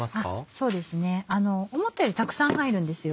そうですね思ったよりたくさん入るんですよ。